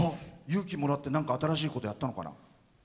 勇気もらってなんか新しいことをやったのかな。